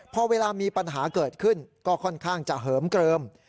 พอเวลามีปัญหาเกิดขึ้นก็ค่อนข้างจะเหิมเกลิม